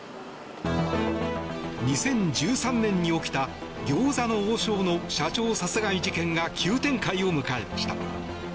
２０１３年に起きた餃子の王将の社長殺害事件が急展開を迎えました。